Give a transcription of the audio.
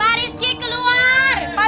pak rizky keluar